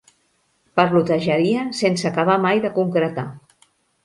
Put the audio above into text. Parlotejaria sense acabar mai de concretar.